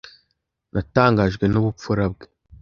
Natangajwe n'ubupfura bwe.